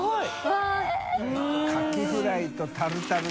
カキフライとタルタルって